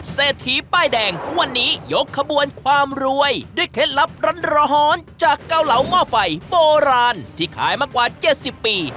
เศษหีป้ายแดงวันนี้ยกขบวนความรวยด้วยเขตลับรันรหอนจากเก้าเหล่าม่อไฟโบราณที่ขายมากกว่าเจ็ดสิบปี